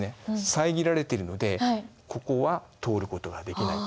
さえぎられてるのでここは通ることはできない。